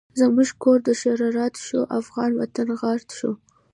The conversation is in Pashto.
زمونږ کور دشرارت شو، افغانی وطن غارت شو